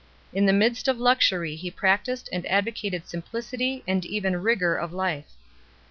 In the midst of luxury he practised and advocated simplicity and even rigour of life.